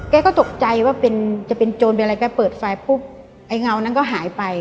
แกก็ตกใจว่าเป็นจะเป็นโจรเป็นอะไรแกเปิดไฟปุ๊บไอ้เงานั้นก็หายไป